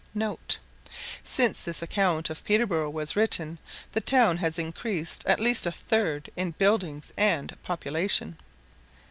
[*Since this account of Peterborough was written, the town has increased at least a third in buildings and population.